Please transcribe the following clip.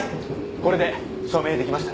これで証明出来ましたね。